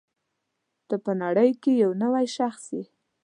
ته په نړۍ کې یو نوی شخص یې.